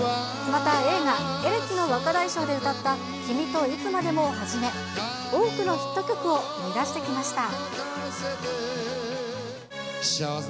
また映画、エレキの若大将で歌った君といつまでもをはじめ、多くのヒット曲を生み出してきました。